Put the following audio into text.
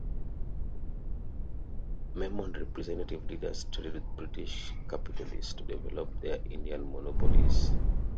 Memon representative leaders traded with British capitalists to develop their Indian monopolies.